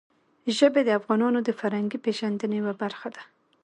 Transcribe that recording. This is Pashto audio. ژبې د افغانانو د فرهنګي پیژندنې یوه برخه ده.